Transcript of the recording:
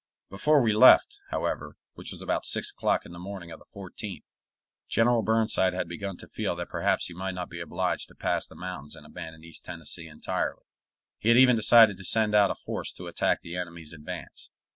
Before we left, however, which was about six o'clock in the morning of the 14th, General Burnside had begun to feel that perhaps he might not be obliged to pass the mountains and abandon East Tennessee entirely. He had even decided to send out a force to attack the enemy's advance.